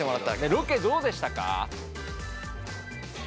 ロケどうでしたか？